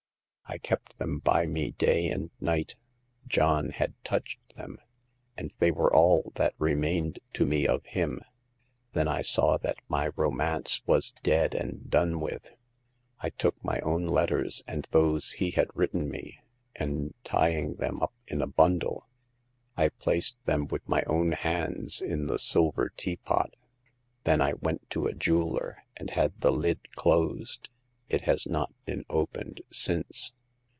I kept them by me day and night ; John had touched them, and they were all that remained to me of him. Then I saw that my romance was dead and done with. I took my own letters and those he had written me, and tying them up in a bundle, I placed them with my own hands in the silver teapot. Then I went to a jeweler, and had the lid closed. It has not been opened since."